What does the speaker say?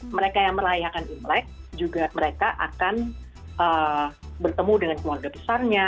mereka yang merayakan imlek juga mereka akan bertemu dengan keluarga besarnya